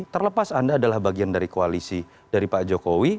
terlepas anda adalah bagian dari koalisi dari pak jokowi